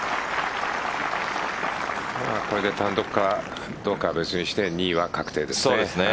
これで単独かどうかは別にして２位は確定ですね。